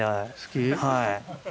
はい。